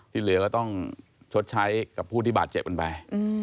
ที่เหลือก็ต้องชดใช้กับผู้ที่บาดเจ็บกันไป